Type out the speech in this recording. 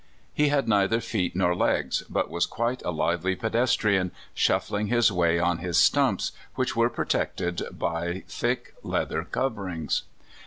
He had neither feet nor legs, but was quite a lively pedestrian, shuflling his way on his stumps, which w^ere protected by thick leather coverings.